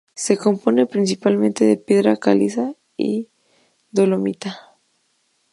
Se compone principalmente de piedra caliza y dolomita.